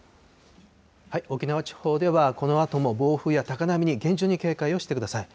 沖縄地方では、このあとも暴風や高波に厳重に警戒をしてください。